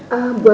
buat aku aja